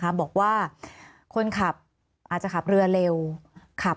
มีความรู้สึกว่าเสียใจ